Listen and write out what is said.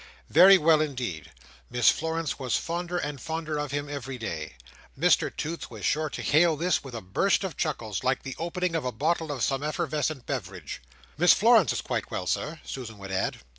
Very well indeed. Miss Florence was fonder and fonder of him every day. Mr Toots was sure to hail this with a burst of chuckles, like the opening of a bottle of some effervescent beverage. "Miss Florence is quite well, Sir," Susan would add.